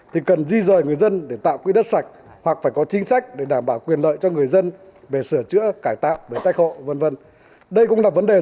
thì cần di rời người dân để tạo quy đất sạch hoặc phải có chính sách để đảm bảo quyền lợi cho người dân